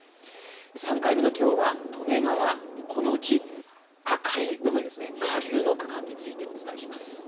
３回目のきょうは利根川、このうち赤い部分、下流の区間についてお伝えします。